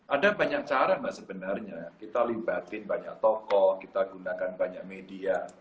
ada banyak cara mbak sebenarnya kita libatin banyak tokoh kita gunakan banyak media